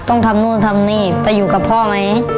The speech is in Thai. ต้องทำนู่นทำนี่ไปอยู่กับพ่อไหม